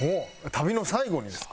旅の最後にですか？